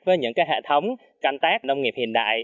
với những hệ thống canh tác nông nghiệp hiện đại